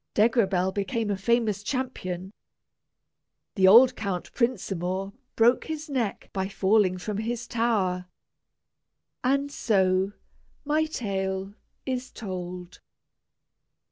Degrabell became a famous champion. The old Count Prinsamour broke his neck by falling from his tower; and so, my tale is told!